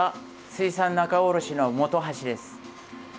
水産仲卸の本橋です。